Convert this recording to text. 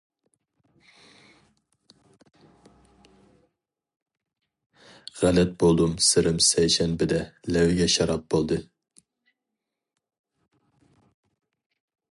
غەلەت بولدۇم سىرىم سەيشەنبىدە لەۋگە شاراب بولدى.